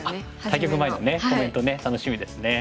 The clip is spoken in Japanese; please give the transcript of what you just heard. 対局前のコメントね楽しみですね。